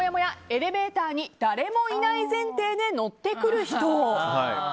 エレベーターに誰もいない前提で乗ってくる人。